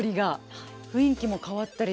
雰囲気も変わったりして。